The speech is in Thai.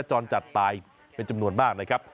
ที่จังหวัดอุตรดิษฐ์บริเวณสวนหลังบ้านต่อไปครับ